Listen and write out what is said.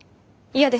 嫌です。